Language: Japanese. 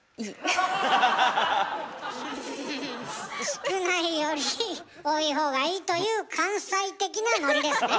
少ないより多いほうがいいという関西的なノリですね？